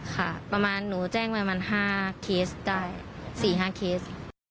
ค่ะประมาณหนูแจ้งประมาณ๕เคสได้๔๕เคส